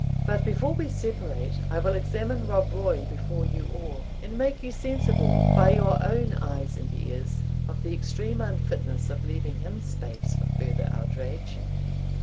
But before we separate, I will examine Rob Roy before you all, and make you sensible, by your own eyes and ears, of the extreme unfitness of leaving him space for farther outrage."